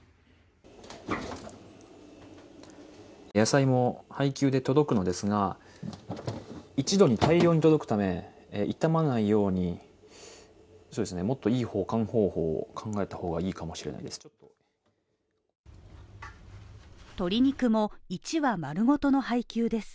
野菜も配給で届くのですが一度に大量に届くため傷まないようにそうですねもっと良い保管方法を考えた方がいいかもしれないです